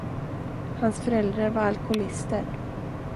Hans föräldrar var alkoholister.